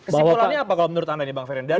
bahwa kesimpulannya apa menurut anda nih bang feryan